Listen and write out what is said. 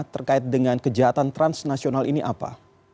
terkait dengan kejahatan transnasional ini apa